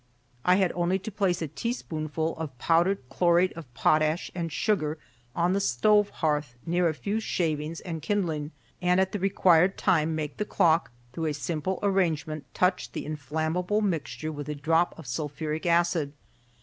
I had only to place a teaspoonful of powdered chlorate of potash and sugar on the stove hearth near a few shavings and kindling, and at the required time make the clock, through a simple arrangement, touch the inflammable mixture with a drop of sulphuric acid.